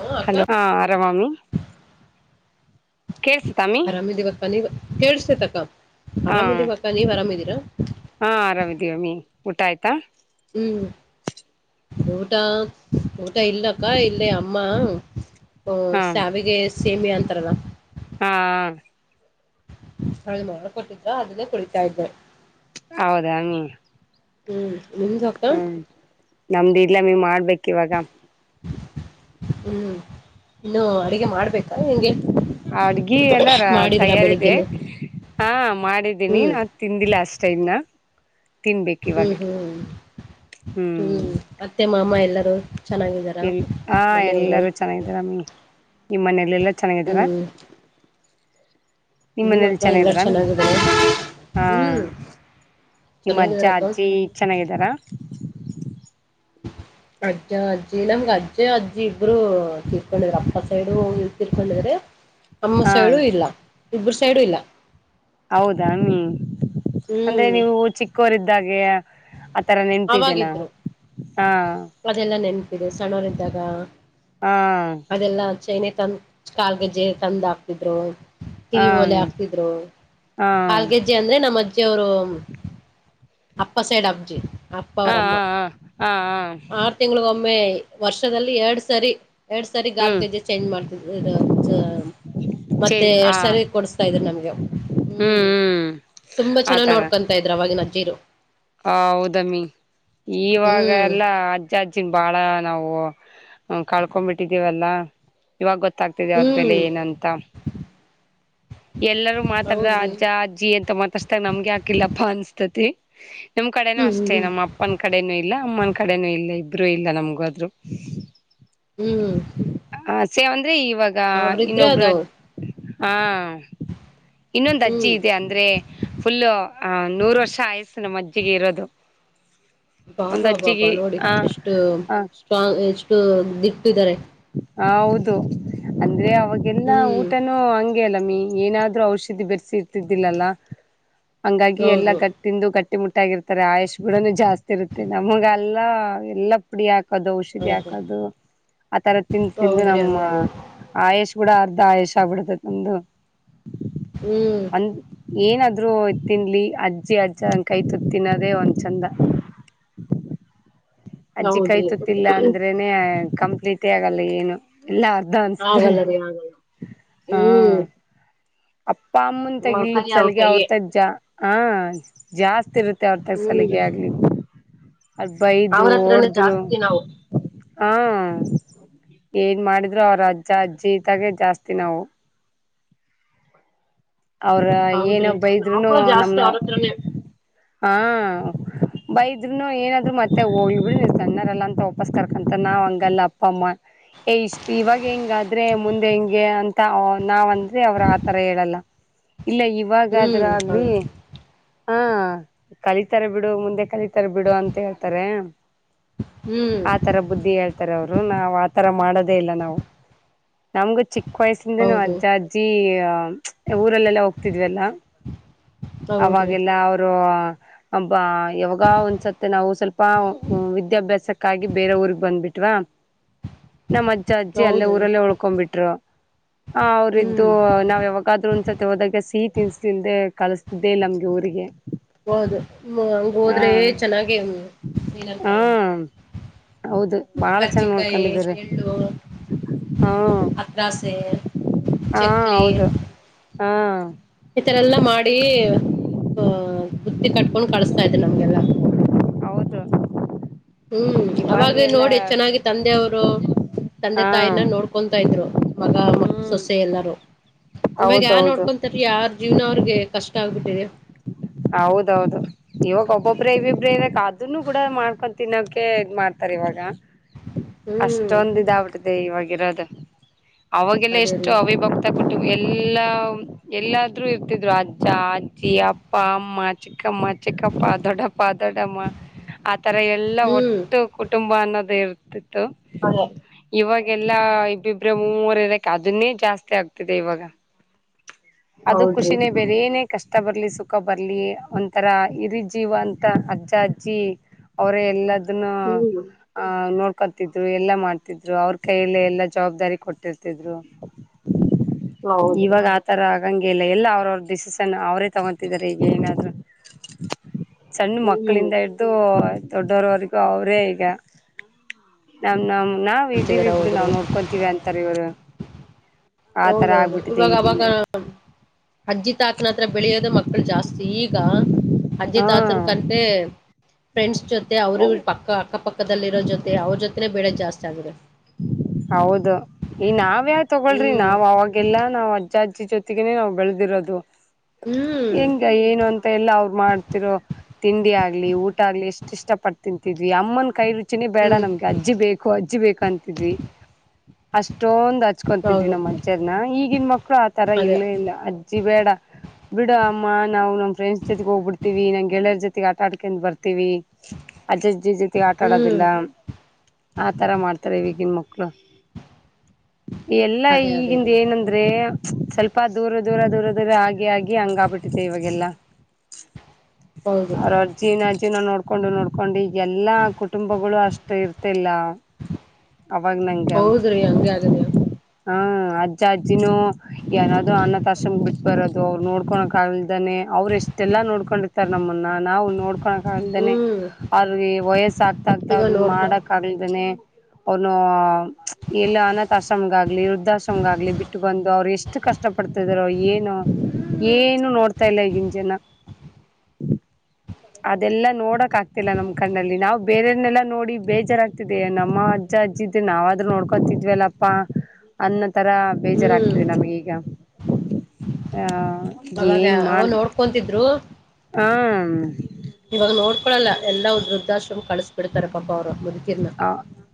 ಹಾ ಅಕ್ಕ ಹಲೋ ಹಾ ಆರಾಮ ಅಮ್ಮಿ ಕೇಳ್ಸತಾಮಿ ಆರಾಮಿದೀವಕ್ಕ ನೀವ ಕೇಳಸತೈತಕ್ಕ ಹಾ ಆರಾಮಿದೀವಕ್ಕ ನೀವ್ ಅರಾಮಿದೀರಾ ಹಾ ಆರಾಮಿದೀವಮ್ಮಿ ಊಟ ಆಯ್ತಾ ಹ್ಮ್ ಊಟಾ ಊಟ ಇಲ್ಲಕ್ಕಾ ಇಲ್ಲೆ ಅಮ್ಮ ಓ ಹಾ ಸಾವಿಗೆ ಸೇಮಿ ಅಂತಾರಲ್ಲ. ಹಾ [unintelligible] ಅದನ್ನೇ ಕುಳಿತಾ ಅಯ್ತೆ. ಹೌದಾಮಿ. ಹ್ಮ್ ನಿಂಜಾ. ಹ್ಮ್ ನಮ್ದು ಇಲ್ಲ ಮಿ ಮಾಡ್ಬೇಕು ಇವಾಗ. ಹ್ಮ್ ಇನ್ನು ಅಡಗೆ ಮಾಡ್ಬೇಕಾ ಹೆಂಗೆ ಅಡ್ಗಿ ಎಲ್ಲಾರ ಮಾಡಿದೀರಾ ತಯಾರಿದೆ ಬೆಳಿಗ್ಗೆನೆ. ಹಾ ಮಾಡಿದ್ದೀನಿ ಹ್ಮ್ ನಾ ತಿಂದಿಲ್ಲ ಅಷ್ಟ ಇನ್ನ. ತಿನ್ಬೇಕು ಇವಾಗ ಹ್ಮ್ ಹ್ಮ್. ಮತ್ತೆ ಮಾಮ ಎಲ್ಲರೂ ಚೆನ್ನಾಗಿದಾರ ಮನೆಯವರು. ಚೆನ್ನಾಗಿದ್ದಾರ ಮ ನಿಮ್ಮ್ ಮನೇಲ್ಲ ಎಲ್ಲ ಚೆನ್ನಾಗಿದಾರ. ಹ್ಮ್ ನಿಮ್ಮ ಹ್ಮ್ ಮನೇಲಿ ಅಕ್ಕ ಎಲ್ಲಾರು ಚೆನ್ನಿದ್ರಾಮಿ ಚೆನ್ನಾಗಿದ್ದಾರೆ ಹಾಂ. ಹ್ಮ್ ನಿಮ್ಮ ಅಜ್ಜ ಚೆನ್ನಾಗಿದಾರಕ್ಕ ಅಜ್ಜಿ ಚೆನ್ನಾಗಿದ್ದಾರಾ. [inaudible] ಅಜ್ಜ ಅಜ್ಜಿ ನಮ್ಗೆ ಅಜ್ಜ ಅಜ್ಜಿ ಇಬ್ಬರು ತಿರ್ಕೊಂಡಿದ್ರ ಅಪ್ಪ ಸೈಡು ತೀರ್ಕೊಂಡಿದಾರೆ ಅಮ್ಮ ಹಾ ಸೈಡು ಇಲ್ಲ ಇಬ್ಬರು ಸೈಡು ಇಲ್ಲ. ಹೌದಾಮಿ ಅಂದ್ರೆ ಹ್ಮ್ ನೀವು ಚಿಕ್ಕೋರಿದ್ದಾಗೆ ಆಥರ ನೆನಪಿದ್ದೇ ನ ಹಾ. ಅದೆಲ್ಲ ನೆನಪಿದೆ ಸಣ್ಣವರ್ದಾಗ. ಹ್ಮ ಅದೆಲ್ಲಾ ಚೈನೆ ತಂದ ಕಾಲ್ಗೆಜ್ಜೆ ತಂದ ಹಾಕ್ತಿದ್ರು. ಹಾ ಕಿವಿ ಒಲೆ ಆಗ್ತಿದ್ರು ಹಾ ಕಲ್ಗೆ ಅಜ್ಜಿ ಅಂದ್ರೆ ನಮ್ಮ ಅಜ್ಜಿ ಅವರು ಅಪ್ಪ ಸೈಡ್ ಅಬ್ಜಿ. ಅಪ್ಪ ಹಾ ಅವ್ರಮ್ಮ ಹಾ ಹ ಹಾ ಹಾ. ಆರು ತಿಂಳಗ ಒಮ್ಮೆ ವರ್ಷದಲ್ಲಿ ಎರಡ್ ಸರಿ. ಎರಡ್ ಸಾರಿ ಗಾಲ್ ಹ್ಮ್ ಗಜೆ ಚೇಂಜ್ ಮಾಡ್ತದ್ರ ಅಜ್ಜಾ. ಚೇ ಮತ್ತೆ ಆ ಎರಡ್ ಸಾರಿ ಕೊಡಸ್ತಾ ಇದ್ರರು ನಮ್ಗೆ ಹ್ಮ್. ಹ್ಮ್ ಆತರ. ತ್ತ ಇದ್ರ ಅವಾಗಿನ್ ನಜ್ಜೀರು. ಹ ಹೌದಮ್ಮಿ ಇವಾಗ ಹ್ಮ್ ಎಲ್ಲ ಹ ಚಾರ್ಜಿನ್ ಬಾಳ ನಾವು ಕಳ್ಕೊಂಡಬಿಟ್ಟಿದ್ದೀವಲ್ಲಾ. ಇವಾಗ ಗೊತ್ತಾಗ್ತಿದೆ ಅವ್ರ ಹ್ಮ್ ಬೆಲೆ ಏನು ಅಂತ. ಎಲ್ಲರೂ ಮಾತಾಡ್ದ ಹೌದ್ರಿ ಅಜ್ಜ ಅಜ್ಜಿ ಎಂತ ಮಾತಾಸ್ತಾಗ ನಮ್ಗೆ ಹಾಕಿಲ್ಲಪ್ಪಾ ಅನ್ಸ್ತತಿ. ನಮ್ ಕಡೆನೂ ಹ್ಮ್ ಅಷ್ಟೇ ಹ್ಮ್ ನಮ್ಮ ಹ್ಮ್ ಅಪ್ಪನ ಕಡೆನೂ ಇಲ್ಲ ಅಮ್ಮನ ಕಡೆನೂ ಇಲ್ಲ ಇಬ್ರುೂ ಇಲ್ಲ ನಮ್ಗದ್ರು. ಹ್ಮ್ ಹ್ಮ್. ಹ ಸೇವ್ ಅಂದ್ರೆ ಇವಾಗ ಅವ್ರಿದ್ರೆ ಇನ್ನೊಬರ ಅದು ಹಾ ಇನ್ನೊಂದು ಅಜ್ಜಿ ಹ್ಮ್ ಇದೆ ಅಂದ್ರೆ ಫುಲ್ಲ ಅ ನೂರು ವರ್ಷ ಆಯಸ್ಸು ನಮ್ಮ್ ಅಜ್ಜಿಗೆ ಇರೋದು. ಒಂದ್ ಬಾಬಾ ಬಾಬಾ ಅಜ್ಜಿಗೆ ನೋಡಿ ಆ ಎಷ್ಟು ಹ ಸ್ಟ್ರಾಂಗ್ ಎಷ್ಟು ದಿಟ್ಟಿದ್ದಾರೆ. ಹ ಹೌದು ಅಂದ್ರೆ ಅವಾಗೆಲ್ಲಾ ಹ್ಮ್ ಊಟನ ಹಂಗೆ ಅಲ್ಲ ಮೀ ಏನಾದ್ರು ಔಷಧಿ ಬೆರೆಸಿ ಇರ್ತಿದ್ದಿಲ್ಲಲ್ಲ ಹಂಗಾಗಿ ಎಲ್ಲಾ ಹೌದು ಗಟ್ ತಿಂದು ಕಟ್ಟಿ ಮುಟ್ಟಾಗಿರ್ತಾರೆ ಆಯುಷ್ ಕುಡನು ಜಾಸ್ತಿ ಇರುತ್ತೆ ನಮಗೆಲ್ಲ ಎಲ್ಲ ಪ ಪಡಿ ಹಾಕದು ಔಷಧಿ ಹೌದು ಹಾಕದು ಆತರ ತಿಂದು ತಿಂದು ಹೌದ್ರಿ ನಮ್ಮ ಹಂಗಾಗ ಆಯುಷ್ ಕೂಡ ಅರ್ಧ ಆಯುಷ ಆಗ್ಬಿಡತ ನಮ್ದು. ಹ್ಮ್ ಒಂದ್ ಅಂದ ಏನಾದ್ರೂ ತಿನ್ಲಿ ಅಜ್ಜಿ ಅಜ್ಜಂದ ಕೈ ತುತ್ತ ತಿನ್ನೋದೇ ಒಂದ್ ಚಂದ. ಅಜ್ಜಿ ಕೈ ಹೌದ್ರಿ ತುತ್ತ ಇಲ್ಲಾ ಅಂದ್ರೇನೆ ಕಂಪ್ಲೀಟೇ ಆಗಲ್ಲ ಏನು. ಎಲ್ಲಾ ಅರ್ಧ ಅನ್ಸತೆ ಆಗಲ್ಲ ರೀ ಆಗಲ್ಲ ಹಾ ಹ್ಮ್ ಅಪ್ಪ ಅಮ್ಮನ್ ಕೈ ತಗಿಲ್ಲದ್ ಅವ್ರ ಸಲಗೆ ಕೈಯೇ ಅವ್ರತ ಜಾ ಹ ಜಾಸ್ತಿ ಇರುತ್ತೆ. ಅವ್ರತ ಹ್ಮ್ ಸಲಿಗೆ ಆಗ್ಲಿ ಅವ್ರ್ ಅವ್ರ ಬೈದ್ರು ಹತ್ರನೇ ಹೊಡದ್ರು ಜಾಸ್ತಿ ನಾವು ಹಾ ಏನ್ ಮಾಡಿದ್ರು ಅವ್ರ ಅಜ್ಜ ಅಜ್ಜಿ ಇದ್ದಾಗೆ ಜಾಸ್ತಿ ನಾವು. ಅವ್ರ ಏನ ಹೌದ್ರಿ ಬೈದ್ರುನು ನಾವು ಜಾಸ್ತಿ ನಮ್ನ ಅವ್ರ ಹತ್ರನೇ ಹಾ ಬೈದ್ರುನು ಏನಾದ್ರು ಮತ್ತೆ ಹೋಗ್ಲಿ ಬಿಡ್ ಸಣ್ಣರಲ್ಲ ಅಂತ ಒ ವಾಪ್ಪಸ್ ಕರ್ಕಂತರ ನಾವ್ ಹಂಗಲ್ಲ ಅಪ್ಪ ಅಮ್ಮ ಏ ಇಷ್ಟ ಇವಾಗೆ ಹಿಂಗಾದ್ರೆ ಮುಂದೆ ಹೆಂಗೆ ಅಂತ ನಾವ್ ಅಂದ್ರೆ ಅವರ ಆತರ ಹೇಳಲ್ಲ. ಇಲ್ಲ ಇವಾಗಾದ್ರ ಹ್ಮ್ ಆಗ್ಲಿ ಹೌದು ಹಾ ಕಲಿತಾರೆ ಬಿಡು ಮುಂದೆ ಕಲಿತಾರೆ ಬಿಡು ಅಂತ ಹೇಳ್ತಾರೆ. ಹ್ಮ್ ಆ ತರ ಬುದ್ಧಿ ಹೇಳ್ತಾರೆ ಅವರು ನಾವ್ ಆತರ ಮಾಡೋದೇ ಇಲ್ಲ ನಾವು ನಮಗು ಚಿಕ್ಕ ಚಿಕ್ಕ ವಯಸಿಂದನೂ ಹೌದ್ರಿ ಅಜ್ಜ ಅಜ್ಜಿ ಊರಲ್ಲೆಲ್ಲ ಹೋಗ್ತಿದ್ವಲ್ಲ ಹೌದ್ರಿ ಅವಾಗೆಲ್ಲಾ ಅವರು ಹಬ್ಬಾ ಯಾವಾಗ ಒಂದ್ಸತಿ ನಾವು ಸ್ವಲ್ಪ ವಿದ್ಯಾಭ್ಯಾಸಕ್ಕಾಗಿ ಬೇರೆ ಊರಿಗ್ ಬಂದ್ಬಿಟ್ಟ ವಾ ನಮ್ಮ್ ಅಜ್ಜ ಅಜ್ಜಿ ಅಲ್ಲೇ ಹೌದ್ರಿ ಊರಲ್ಲೇ ಉಳ್ಕೊಂಡ್ ಬಿಟ್ರು ಆ ಅವ್ರಿದ್ದು ಹ್ಮ್ ನಾವ್ ಯಾವಾಗ ಗಾದ್ರೂ ಒಂದ್ಸತಿ ಹೋದಾಗ ಸಿಹಿ ತಿನ್ಸ ತಿಂದೆ ಕಳಿಸ್ತಿದ್ದೆ ಇಲ್ಲ ನಮ್ಗೆ ಊರಿಗೆ. ಹೌದು ಹಂಗ ಹಾ ಹೋದ್ರೆ ಚೆನ್ನಾಗೆ ಹಾ ಏನಂತಾರೆ ಹೌದು ಬಾಳ ಚೆನ್ನಾಗ್ ಕರ್ಚಿಕಾಯಿ ನೋಡ್ಕೊಂಡಿದ್ದಾರೆ ಎಳ್ಳು ಹಾ ಅತ್ರಾಸೆ ಹಾ ಚಕ್ಲಿ ಹೌದು ಹಾ. ಈತರ ಎಲ್ಲ ಮಾಡಿ ಹ ಬುತ್ತಿ ಕಟ್ಕೊಂಡ್ ಕಳಸ್ತಾ ಇದ್ರು ನಮ್ಗೆಲ್ಲ. ಹೌದು ಹ್ಮ್ ಇವಾಗ ಅವಾಗ ನೋಡಿ ಎಲ್ಲ ಚೆನ್ನಾಗಿ ತಂದೆಯವರು ತಂದೆ ಹಾ ತಾಯಿನ ನೋಡ್ ಕೊಂತಾ ಇದ್ರು ಮಗ ಮ ಸೊಸೆ ಎಲ್ಲಾರೂ ಇವಾಗ ಯಾರ್ ಹೌದೌದು ನೋಡ್ಕೊಂತಾರಿ ಯಾರ ಜೀವನ ಅವ್ರಿಗೆ ಕಷ್ಟ ಆಗ್ಬಿಟ್ಟಿದೆ. ಹೌದೌದು ಇವಾಗ ಒಬ್ಬೊಬ್ರ ಇಬ್ಬಿಬ್ಬ್ರೆ ಇರಕ್ ಅದನ್ನು ಕೂಡ ಮಾಡ್ಕೊ ತಿನ್ನೋಕೆ ಇದ ಮಾಡ್ತಾರ ಇವಾಗ. ಹ್ಮ್ ಅಷ್ಟೊಂದ ಇದ ಆಗ್ಬಿಟ್ಟಿದೆ ಇವಾಗಿರೋದ ಅವಾಗೆಲ್ಲ ಅದೇ ಎಷ್ಟು ರೀ ಅವಿ ಬ ಕೂಟು ಎಲ್ಲ ಎಲ್ಲಾದ್ರೂ ಇರ್ತಿದ್ರು ಅಜ್ಜ ಅಜ್ಜಿ ಅಪ್ಪ ಅಮ್ಮ ಚಿಕ್ಕಮ್ಮ ಚಿಕ್ಕಪ್ಪ ದೊಡ್ಡಪ್ಪ ದೊಡ್ಡಮ್ಮ ಆತರ ಎಲ್ಲಾ ಹ್ಮ್ ಒಟ್ಟು ಕುಟ್ ಬಾ ಅನ್ನೋದ ಇರ್ತಿತ್ತು. ಹಾಗೆ ಇವಾಗೆಲ್ಲ ಇಬ್ಬಿಬ್ರ ಮೂವರಿರಕ್ಕೆ ಅದನ್ನೇ ಜಾಸ್ತಿ ಆಗ್ತಿದೆ ಇವಾಗ. [unintelligible] ಅದು ಖುಷಿನೇ ಬೇರೇ ಏನೇ ಕಷ್ಟ ಬರ್ಲಿ ಸುಕ್ ಬರ್ಲಿ ಒಂತರ ಹಿರಿ ಜೀವ ಅಂತ ಅಜ್ಜ ಅಜ್ಜಿ ಅವರೆ ಎಲ್ಲ ನ್ನ ಹ್ಮ್ ಆ ನೋಡ್ಕೊತಿದ್ದೂ ಎಲ್ಲಾ ಮಾಡ್ತಿದ್ದು ಅವ್ರ ಕೈಯಲ್ಲೆ ಎಲ್ಲಾ ಜವಾಬ್ದಾರಿ ಕೊಟ್ತೀರ್ತಿದ್ದು. ಹೌದ್ರಿ ಇವಾಗ ಆತರ ಆಗಂಗೆ ಇಲ್ಲ ಎಲ್ಲಾ ಅವ್ರವ್ರ ಡಿಸಿಷನ್ ಅವ್ರೇ ತಗೊ ದಾರೆ ಈಗೇನಾದ್ರೂ ಸಣ್ಣ ಹ್ಮ್ ಮಕ್ಕಳಿಂದ ದು ದೊಡ್ಡೋರವರೆಗೂ ಅವರೇ ಈಗ. ನಮ್ ನಮ್ ನಾವ್ ಇದೀವಿ ಮಾಡ್ತಿದಾರ ಬಿಡು ಹೋದ್ರು ನಾವ್ ನೋಡ್ಕೊತಿವಿ ಅಂತಾರ ಇವಾಗ. ಹೌದೌದು ಇವಾಗ ಅವಾಗಾ ಅಜ್ಜಿ ತಾತನ ಹತ್ರ ಬೆಳೆಯೋದ ಮಕ್ಕಳು ಜಾಸ್ತಿ ಈಗ ಅಜ್ಜಿ ತಾತನ್ ಕಂಡ್ರೆ ಫ್ರೆಂಡ್ಸ್ ಜೊತೆ ಅವ್ರ ಇವ್ರ ಹಾ ಪಕ್ಕ ಅಕ್ಕಪಕ್ಕದಲ್ಲಿರೋ ಜೊತೆ ಅವ್ರ ಜೊತೆನೇ ಬೆಳೆದ ಜಾಸ್ತಿ ಆಗಿದೆ. ಹೌದು ಈ ನಾವ್ಯಾ ತಗೊಳ್ರಿ ಹ್ಮ್ ನಾವ ಅವಾಗೆಲ್ಲಾ ನಾವ್ ಅಜ್ಜ ಅಜ್ಜಿ ಜೊತೆಗೆನೆ ನಾವ್ ಬೆಳ್ದೀರೋದೂ. ಹ್ಮ್ ಹೆಂಗ ಏನು ಅಂತ ಎಲ್ಲ ಅವ್ರ ಮಾಡ್ತಿರೋ ತಿಂಡಿ ಆಗ್ಲಿ ಊಟ ಆಗ್ಲಿ ಎಷ್ಟ ಇಷ್ಟ ಪಟ್ಟ ತಿಂತಿದ್ವಿ ಅಮ್ಮನ್ ಕೈ ರು ಚಿ ಬೇಡ ಹ್ಮ್ ನಮ್ಗ ಅಜ್ಜಿ ಬೇಕು ಅಜ್ಜಿ ಬೇಕು ಅಂತ ಅಷ್ಟೊಂದ ಹಚ್ಕೊತಿದ್ವಿ ಹೌದು ನಮ್ಮ್ ಅಜ್ಜರ್ನ ಈಗಿನ ಮಕ್ಕಳು ಆ ತರ ಅದೇ ಇಲ್ವೆ ಇಲ್ಲ ಇಲ್ಲ ಅಜ್ಜಿ ಬೇಡ ಬಿಡ ಅಮ್ಮ ನಾವು ನಮ್ ಫ್ರೆಂಡ್ಸ್ ಜೊತೆಗ ಹೋಗ್ಬಿಡ್ತೀವಿ ನಂಗ ಗೆಳೆಯರ್ ಜೊತ ಜೊ ಆಟಾಡ್ಕೊಂಡ್ ಬರ್ತೀವಿ ಅಜ್ಜಜ್ಜಿ ಜೊತೆಗ ಆಟಾಡೋದಿಲ್ಲ. ಹ್ಮ್ ಆತರ ಮಾಡ್ತಾರೆ ಈಗಿನ ಮಕ್ಳು ಎಲ್ಲಾ ಅದೇ ಅದೇ ಈಗಿಂದ ರೀ ಏನಂದ ದ್ರೆ ಸ್ವಲ್ಪ ದೂರ ದೂರ ದೂರ ದೂರ ಆಗಿ ಆಗಿ ಹಂಗ ಆಬಿಟ್ಟಿದೆ ಇವಾಗೆಲ್ಲ. [unintelligible] ಹೌದು ಅವ್ರ ಜೀನಾ ಜೀವನಾ ನೋಡಕೊಂಡು ನೋಡ್ಕೊಂಡಿ ಎಲ್ಲಾ ಕುಟುಂಬಗಳು ಅಷ್ಟು ಇರ್ತಿಲ್ಲ. [unintelligible] ಅವಾಗ ನಂಗೆ ಹೌದ್ರಿ ಹಂಗೆ ಆಗದೆ ಹಾ ಅಜ್ಜ ಅಜ್ಜಿನೂ ಯಾನಾದ್ರೂ ಅನಾಥ ಆಶ್ರಮ ಬಿಟ್ ಬರದು ಅವ್ರು ನೋಡ್ಕೋಳಕ್ ಆಗಲ್ದೇನೇ ಅವ್ರು ಎಷ್ಟೆಲ್ಲಾ ನೋಡ್ಕೊಂಡಿರ್ತ ತಾರ ನಮ್ಮನ್ನ ನಾವು ನೋಡ್ಕೋಲಕ್ ಆಗಲ್ದೆನೇ ಹ್ಮ್ ಅವ್ರಿಗೆ ವಯಸ್ಸ ಆಗ್ತ ಆಗ್ತ ಇವ ಅವ್ರನ್ನ ನೋಡ್ಕೊ ಮಾಡಕ್ ಆಗಲ್ದೆನೇ ಅವನು ಎಲ್ಲ ಅನಾಥ ಆಶ್ರಮಗಾಗ್ಲಿ ವೃದ್ಧಾಶ್ರಮಗಾಗ್ಲಿ ಬಿಟ್ಟ ಬಿಟ್ಟ ಬಂದು ಅವ್ರು ಎಷ್ಟು ಕಷ್ಟ ಪಡ್ತಿದಾರೋ ಏನೋ ಹ್ಮ್ ಏನು ನೋಡ್ತಾ ಇಲ್ಲ ಈಗಿನ ಜನ. ಅದೆಲ್ಲಾ ನೋಡಕ್ ಆಗ್ತಿಲ್ಲ ನಮ್ ಕಣ್ಣಲ್ಲಿ ನಾವು ಬೇರೆಯವನ್ನೆಲ್ಲಾ ನೋಡಿ ಬೇಜಾರಾಗ್ತಿದೆ ನಮ್ಮ ಅಜ್ಜ ಅಜ್ಜಿ ಇದ್ದ ನಾವಾದ್ರೂ ನೋಡ್ಕೊತಿದ್ವಲ್ಲಪ್ಪಾ ಅನ್ನ ತರ ಹ್ಮ್ ಬೇಜಾರಾಗ್ತಿದೇ ನಮ್ಗ ಈಗ. ಅವಾಗ ಏನ್ ಮಾಡ ಅವಾಗ ನೋಡ್ಕೊಂತಿದ್ರು ಹಂ ಇವಾಗ ನೋಡ್ಕೊಳಲ್ಲ ಎಲ್ಲಾ ವೃದ್ಧಾಶ್ರಮ ಕಳಸ್ ಬಿಡ್ತಾರೆ ಪಾಪ ಅವ್ರು. ಹ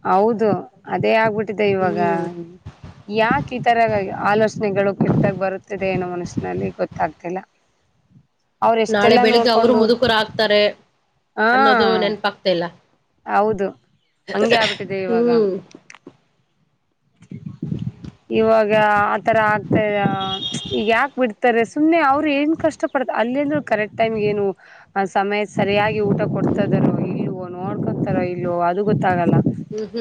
ಹೌದು ಅದೇ ಆಗ್ಬಿಟ್ಟಿದೆ ಇವಾಗಾ ಹ್ಮ್ ಯಾಕೆ ಈ ತರ ಎಲ್ಲಾ ಆಲೋಚನೆಗಳು ಕೆಟ್ಟದಾಗ್ ಬರುತ್ತಿದೆ ಏನೋ ಮನಸ್ನಲ್ಲಿ ಗೊತ್ತಾಗ್ತಿಲ್ಲ. [unintelligible] ಅವ್ರ ನಾಳೆ ಎಷ್ಟೆಲ್ಲಾ ಬೆಳಿಗ್ಗೆ ಅವರು ನೋಡ್ಕೊಂಡು ಮುದುಕರ ಆಗ್ತಾರೆ ಹಾ ಅನ್ನೋದು ನೆನಪಾಗ್ತಾ ಇಲ್ಲ. ಹೌದು ಹಂಗೆ ಆಗ್ಬಿಟ್ಟಿದೆ ಇವಾಗ. ಹ್ಮ್ ಇವಾಗ ಆತರ ಆಗ್ತ ಈಗ ಯಾಕ ಬಿಡ್ತಾರೆ ಸುಮ್ಮನೆ ಅವರು ಏನ್ ಕಷ್ಟ ಕಷ್ಟ ಪಾಡ್ ಅಲ್ಲಿನೂ ಕರೆಕ್ಟ ಟೈಮ್ಗ ಏನು ಸಮಯಕ್ ಸರಿಯಾಗಿ ಊಟ ಕೊಡ್ತದಾರೋ ಇಲ್ಲವೋ ನೋಡ್ಕೊತಾರೋ ಇಲ್ಲವೋ ಅದು ಗೊತ್ತಾಗಲ್ಲ. ಉಹು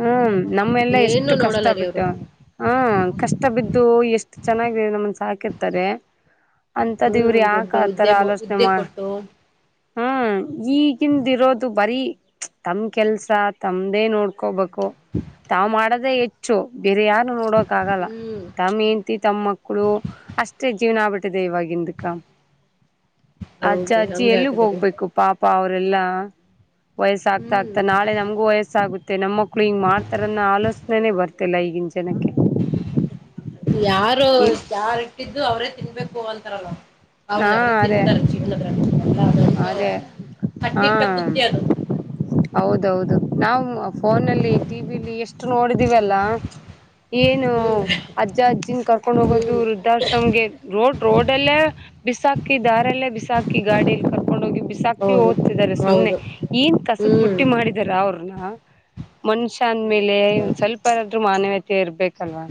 ಹ್ಮ್ ನಮ್ಮೆಲ್ಲ ಎಷ್ಟು ಕಷ್ಟ ನೋಡಲ್ಲ ರೀ ಬಿಟ್ಟು ಅವರು ಹ್ಮ್ ಕಷ್ಟ ಬಿದ್ದು ಎಷ್ಟ ಚೆನ್ನಾಗ್ ನಮ್ಮನ್ ಸಾಕಿರ್ತಾರೆ. ಅಂತದ್ ಇವ್ರ ಹ್ಮ್ ಯಾಕ ದೊಡ್ಡ ಆತರ ಹುದ್ದೆ ಆಲೋಚನೆ ಹುದ್ದೆ ಮಾಡ ಕೊಟ್ಟು ಹ್ಮ್ ಈಗಿಂದ ಇರೋದು ಬರೀ ತಮ ಕೆಲ್ಸ ತಮ್ದೇ ನೋಡ್ಕೋಬೇಕು ತಾವ್ ಮಾಡದೇ ಹೆಚ್ಚು ಬೇರೆ ಯಾರ್ನು ನೋಡೋಕ ಆಗಲ್ಲ ಹ್ಮ್ ತಮ್ಮ ತಿ ತಮ್ಮ ಮಕ್ಕಳು ಅಷ್ಟೇ ಜೀವನ ಆಗ್ಬಿಟ್ಟಿದೆ ಇವಾಗಿಂದಕ ಅಜ್ಜ ಹೌದ್ರಿ ಅಜ್ಜಿ ಹಂಗ ಎಲ್ಲಿಗ್ ಹಾಕಿದ್ರಿ ಹೋಗ್ಬೇಕು ಪಾಪ ಪಾ ಅವ್ರೆಲ್ಲಾ ವಯಸ್ಸ ಆಗ್ತಾ ಹ್ಮ್ ಆಗ್ತಾ ನಾಳೆ ನಮಗೂ ವಯಸ್ ಸಾಗುತ್ತೆ ನಮ್ಮ ಮಕ್ಕಳು ಹಿಂಗೆ ಮಾಡ್ತಾರನ್ನೋ ಆಲೋಚನೆನೇ ಬರ್ತಿಲ್ಲ ಈಗಿನ ಜನಕ್ಕೆ. ಯಾರು ಇಲ್ ಯಾರ್ ಇಟ್ಟಿದ್ದು ಅವ್ರೇ ತಿನ್ಬೇಕು ಅಂತಾರಲ್ಲ. ಅವ್ರದ ಹಾ ಅವ್ರೆ ಅದೇ ತಿಂತಾರೆ ಜೀವನದ್ರಂಡ ಎಲ್ಲ ಅದೊರ್ದು ಅದೇ ಹಾ ಕಟ್ಟಿಟ್ಟ ಬುತ್ತಿ ಅದು. ಹೌದೌದು ನಾವು ಫೋನಲ್ಲಿ ಹ್ಮ್ ಟಿವಿಲ್ಲಿ ಎಷ್ಟ ನೋಡಿದೀವಲ್ಲ ಏನು ಹ್ಮ್ ಅಜ್ಜ ಅಜ್ಜಿನ್ ಕರ್ಕೊಂಡ್ ಹೋಗೋದು ಹ್ಮ್ ವೃದ್ಧಾಶ್ರಮಗೆ ರೋಡ್ ರೋಡಲ್ಲೆ ಬಿಸಾಕಿ ದಾರಲ್ಲೇ ಬಿಸಾಕಿ ಗಾಡಿಯಲ್ಲಿ ಕರ್ಕೊಂಡ ಹೋಗಿ ಬಿ ಸಾಕಿ ಹೌದು ಓದ್ತಿದ್ದಾರೆ ಸುಮ್ಮ್ನೆ ಹೌದು ಏನ್ ಕಸದ ಹ್ಮ್ ಬುಟ್ಟಿ ಮಾಡಿದಾರ ಅವ್ರನ್ನ ಮನುಷ್ಯ ಅಂದ್ಮೇಲೆ ಏನಪ್ಪ ಓನ್ ಸ್ವಲ್ಪ ಆದ್ರೂ ಮಾನವಿಯತೆ ಇರ್ಬೇಕಲ್ವಾ?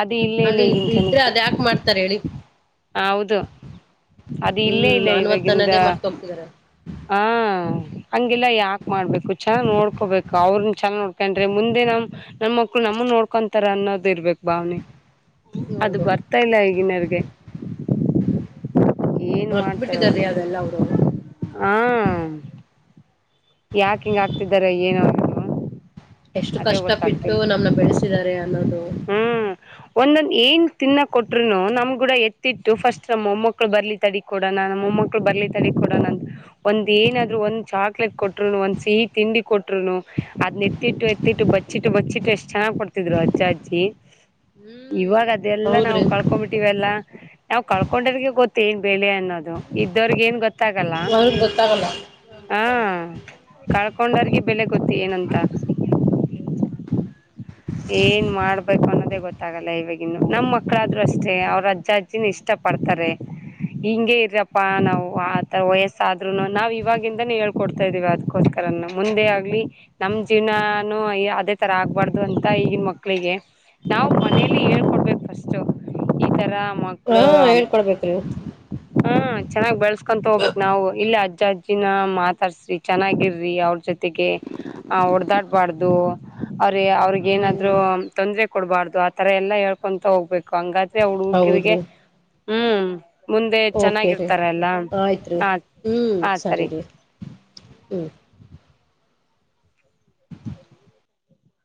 ಅದ ಇಲ್ಲೇ ಇಲ್ಲ ಅದು ಈಗಿನ ಇದ್ ಇದ್ರೆ ಜನಕ್ಕೆ. ಅದ ಯಾಕೆ ಮಾಡ್ತಾರೆ ಹೇಳಿ ಹೌದು ಅದು ಇಲ್ಲೇ ಹ್ಮ್ ಇಲ್ಲ ಮಾನವತ್ತ ಇವಾಗಿಂದ ಅನ್ನೋದೇ ಮರ್ತ ಹೋಗ್ತಿದಾರೆ ಹಾ ಹಂಗಿಲ್ಲ ಯಾಕ ಮಾಡ್ಬೇಕು ಚನ್ನ ನೋಡ್ಕೋಬೇಕು ಅವ್ರನ್ನ ಚನ್ನ ನೋಡ್ ಕಂಡ್ರೆ ಮುಂದೆ ನಮ್ ನಮ್ಮ ಮಕ್ಳು ನಮ್ಮನ್ ನೋಡ್ಕೊಂತಾರ ಅನ್ನೋದ ಇರ್ಬೇಕ್ ಭಾವನೆ ಅದು ಹೌದು ಬರ್ತಾ ಇಲ್ಲ ಈಗಿನರ್ಗೆ. ಏನ ಮರ್ತ್ ಮಾಡ್ತಾರೋ ಬಿಟ್ಟಿದಾರೀ ಏನು ಅದೆಲ್ಲ ಅವರು ಹಾ ಯಾಕ ಹಿಂಗ ಆಗ್ತಿದಾರೋ ಏನೋ ಹಾ ಎಷ್ಟು ಅದೇ ಕಷ್ಟಪಟ್ಟು ಗೊತ್ತಾಗ್ತಿಲ್ಲಾ ನಮ್ನ ಬೆಳೆಸಿದ್ದಾರೆ ಅನ್ನೋದು ಹ್ಮ್. ಒಂದೊಂದ ಏನ್ ತಿನ್ನಕ್ಕ ಕೊಟ್ರುನೂ ನಮ್ಗೂಡ ಎತ್ತಿಟ್ಟು ಫಸ್ಟ್ ನಮ್ಮ್ ಮೊಮ್ಮಕ್ಳು ಬರ್ಲಿ ತಡಿ ಕೊಡೋಣ ನಮ್ಮ್ ಮ್ಮೊಮ್ಮಕ್ಳು ಬರ್ಲಿ ತಡಿ ಕೊಡೋಣ ಒಂದ ಏನಾದ್ರು ಒಂದ್ ಚಾಕ್ಲೇಟ್ ಕೊಟ್ಟ ರೂನು ಒಂದ ಸಿಹ ತಿಂಡಿ ಕೊಟ್ರುನು ಅದ್ನ ಎತ್ತಿಟ್ಟ ಎತ್ತಿಟ್ಟು ಬಚ್ಚಿಟ್ಟ ಬಚ್ಚಿಟ್ಟ ಎಷ್ಟು ಚೆನ್ನಗ್ಗ್ ಕೊಡ್ತ ತಿದ್ರು ಅಜ್ಜ ಅಜ್ಜಿ ಹ್ಮ್ ಇವಾಗ ಅದೆಲ್ಲಾ ನಾವು ಹೌದ್ರಿ ಕಳ್ಕೊಂಡ್ಬಿಟ್ಟ ವಲ್ಲಾ ನಾವ ಕಳ್ಕೊಂಡರಿಗೆ ಗೊತ್ತ ಏನ್ ಬೆಳೆ ಅನ್ನೋದು ಇದ್ದವರ್ಗ ಏನ್ ಗೊತ್ತಾಗಲ್ಲ ಅವ್ರಿಗೆ ಗೊತ್ತಾಗಲ್ಲ ಹಾ. ಕಳ್ಕೊಂಡರ್ಗೆ ಬೆಲೆ ಗೊತ್ತಿ ಏನಂತ. ಏನ್ ಮಾಡ್ಬೇಕು ಅನ್ನೋದೇ ಗೊತ್ತ ಗೊತ್ತಾಗಲ್ಲ ಇವವಾಗಿನ್ನು ನಮ್ ಮಕ್ಕಳಾದ್ರು ಅಷ್ಟೇ ಅವ್ರ ಅಜ್ಜ ಅಜ್ಜಿನ ಇಷ್ಟ ಪಡ್ತಾರೆ. ಹಿಂಗಗೆ ಇರಪ್ಪಾ ನಾವು ಆತರ ವಯಸ್ಸಾದ್ರುನು ನಾವ ಇವಾಗಿಂದಾನೇ ಹೇಳ್ಕೊಡ್ತಾ ಇದೀವಿ ಅದ್ಕೊ ನೂ ಮುಂದೆ ಆಗ್ಲಿ ನಮ್ ಜೀವನಾನು ಅದೇ ತರ ಆಗ್ಬಾರ್ದು ಅಂತ ಈಗಿನ ಮಕ್ಕಳಿಗೆ ನಾವು ಮನೇಲಿ ಹೇಳ್ಕೊಡ್ಬೇಕು ಫಸ್ಟೂ ಈ ತರ ಮ ಹಾ ಕ್ಳು ಹೇಳ್ಕೊಡ್ಬೇಕ್ರಿ ಹ್ಮ ಚೆನ್ನಾಗ್ ಬೆಳಸ್ಕೊಂತ ಹೋಗ್ಬೇಕ್ ನಾವು ಇಲ್ಲ ಅಜ್ಜ ಅಜ್ಜಿನ ಮಾತಾಡ್ಸ್ರಿ ಚೆನ್ನಾಗಿರ್ರಿ ಅವ್ರ ಜೊತೆಗೆ ಆ ಹೊಡದಾಡ್ಬಾರ್ದು ಅವ್ರ ಅವ್ರ ಏನಾದ್ರು ಹ್ಮ್ ತೊಂದ್ರೆ ಕೊಡ್ಬಾರ್ದು ಆತರ ಎಲ್ಲ ಹೇಳ್ಕೊತ ಹೋಗ್ಬೇಕು ಹಂಗಾದ್ರೆ ಹುಡುಗ್ರಿಗೆ ಹೌದ್ರಿ ಹ್ಮ್ ಮುಂದೆ ಓಕೆ ರೀ ಚೆನ್ನಾಗಿರ್ತಾರೆ ಎಲ್ಲ ಹ ಹ ಸರಿ. ಹ್ಮ